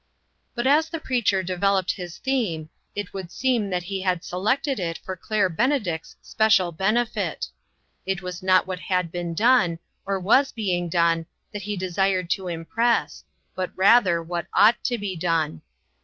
88 INTERRUPTED. But as the preacher developed his theme, it would almost seem that he had selected it for Claire Benedict's special benefit. It was not what had been done, or was being done, that he desired to impress, but rather what ought to be done.